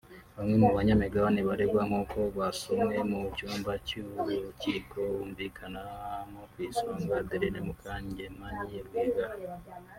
Bamwe mu banyamigabane baregwa nk’uko basomwe mu cyumba cy’urukiko humvikanamo ku isonga Adeline Mukangemanyi Rwigara